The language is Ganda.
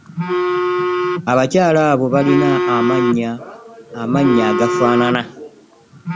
Abakyala abo balina amany'agafanana.